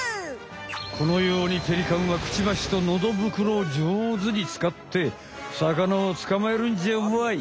このようにペリカンはクチバシとのど袋をじょうずに使って魚を捕まえるんじゃわい！